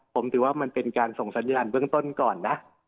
ผมถือว่ามันเป็นการส่งสัญญาณเบื้องต้นก่อนนะ